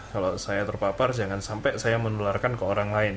kalau saya terpapar jangan sampai saya menularkan ke orang lain